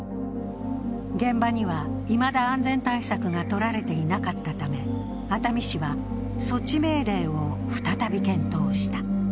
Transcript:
現場にはいまだ安全対策がとられていなかったため熱海市は措置命令を再び検討した。